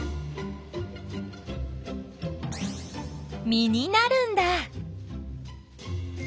実になるんだ。